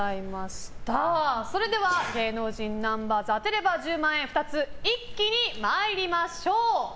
それでは芸能人ナンバーズ当てれば１０万円２つ一気に参りましょう。